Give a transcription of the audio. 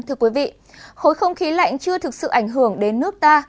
khối không khí lạnh chưa thực sự ảnh hưởng đến nước ta